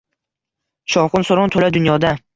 Shovqin-suron toʼla dunyoda